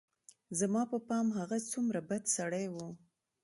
زما په پام هغه څومره بد سړى و.